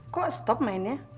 kok stop mainnya